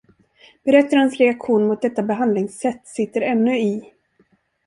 Berättarens reaktion mot detta behandlingssätt sitter ännu i.